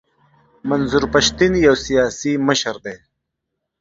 منظور پښتین یو سیاسي مشر دی.